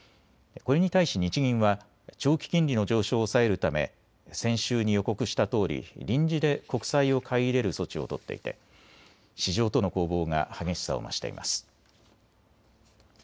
これに対し日銀は長期金利の上昇を抑えるため先週に予告したとおり臨時で国債を買い入れる措置を取っていて市場との攻防が激しさを増しています。